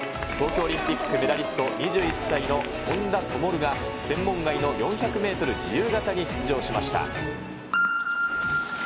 東京オリンピックメダリスト、２１歳の本多灯が、専門外の４００メートル自由形に出場しました。